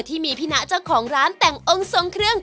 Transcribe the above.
ที่มีพี่นะเจ้าของร้านแต่งองค์ทรงเครื่อง